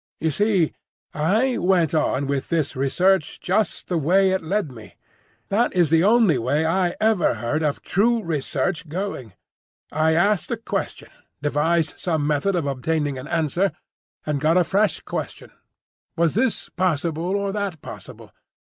"You see, I went on with this research just the way it led me. That is the only way I ever heard of true research going. I asked a question, devised some method of obtaining an answer, and got a fresh question. Was this possible or that possible?